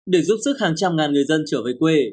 để giúp sức hàng trăm ngàn người dân trở về quê